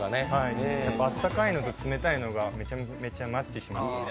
あったかいのと冷たいのがめちゃマッチします